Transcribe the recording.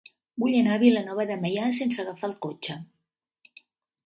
Vull anar a Vilanova de Meià sense agafar el cotxe.